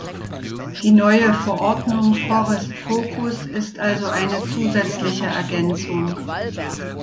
Die neue Verordnung Forest Focus ist also eine zusätzliche Ergänzung.